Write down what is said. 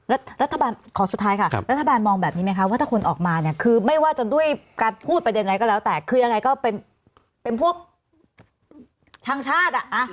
รัฐบาลขอสุดท้ายค่ะรัฐบาลมองแบบนี้ไหมคะว่าถ้าคนออกมาเนี่ยคือไม่ว่าจะด้วยการพูดประเด็นอะไรก็แล้วแต่คือยังไงก็เป็นพวกทางชาติ